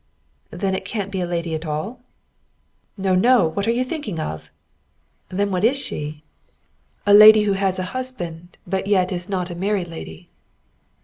"Then it can't be a lady at all?" "No, no! What are you thinking of?" "Then what is she?" "A lady who has a husband, but yet is not a married lady."